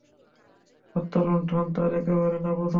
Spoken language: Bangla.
হত্যা-লুণ্ঠন তার একেবারে না পছন্দ।